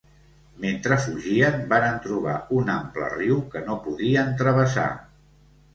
Mentre fugien, varen trobar un ample riu que no podien travessar.